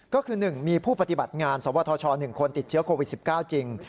ก็คือ๑มีผู้ปฏิบัติงานสวทช๑คนติดเชื้อโควิด๑๙จริง